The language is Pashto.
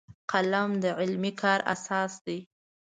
قلم د علمي کار اساس دی